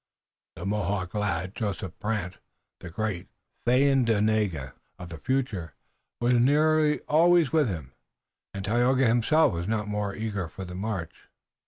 The Mohawk lad, Joseph Brant, the great Thayendanegea of the future, was nearly always with him, and Tayoga himself was not more eager for the march.